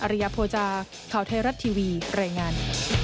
ริยโภจาข่าวไทยรัฐทีวีรายงาน